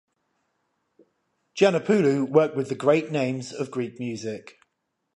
Giannopoulou worked with great names of Greek music.